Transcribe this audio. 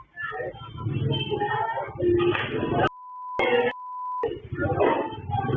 นี่คือบางช่วงบรรยากาศที่เกิดขึ้นในประวัติศาสตร์